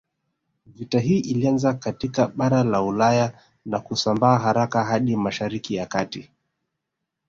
Vita hii ilianzia katika bara la Ulaya na kusambaa haraka hadi Mshariki ya kati